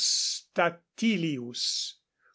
Statilius, P.